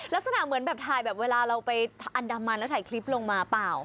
ลักษณะเหมือนแบบถ่ายแบบเวลาเราไปอันดามันแล้วถ่ายคลิปลงมาเปล่า